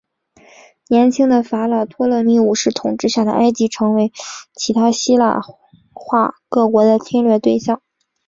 年轻的法老托勒密五世统治下的埃及成为其他希腊化各国的侵略对象。